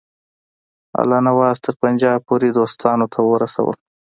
الله نواز تر پنجاب پوري دوستانو ته ورسول.